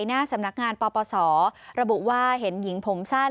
หน้าสำนักงานปปศระบุว่าเห็นหญิงผมสั้น